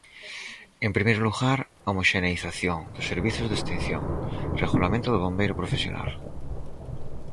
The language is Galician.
En primeiro lugar, homoxeneización dos servizos de extinción, regulamento do bombeiro profesional.